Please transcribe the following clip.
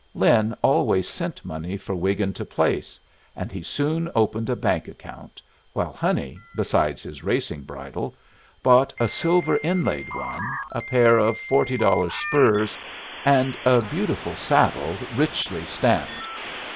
Lin always sent money for Wiggin to place, and he soon opened a bank account, while Honey, besides his racing bridle, bought a silver inlaid one, a pair of forty dollar spurs, and a beautiful saddle richly stamped.